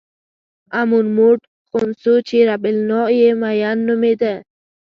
امون موټ خونسو چې رب النوع یې مېن نومېده.